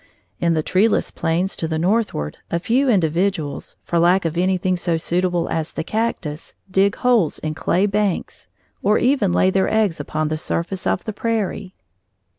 In the treeless plains to the northward, a few individuals, for lack of anything so suitable as the cactus, dig holes in clay banks, or even lay their eggs upon the surface of the prairie.